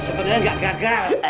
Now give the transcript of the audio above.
sebenernya gak gagal